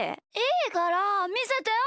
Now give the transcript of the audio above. いいからみせてよ！